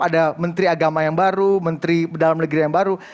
ada menteri agama yang baru menteri dalam negeri yang baru